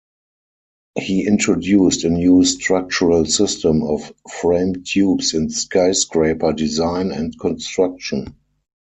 He introduced a new structural system of framed tubes in skyscraper design and construction.